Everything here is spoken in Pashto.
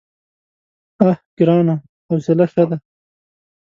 _اه ګرانه! حوصله ښه ده.